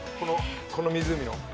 この湖の。